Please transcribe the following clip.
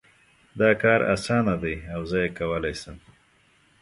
دا کار اسانه ده او زه یې کولای شم